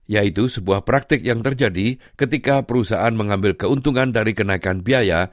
yaitu sebuah praktik yang terjadi ketika perusahaan mengambil keuntungan dari kenaikan biaya